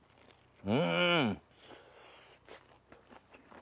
うん！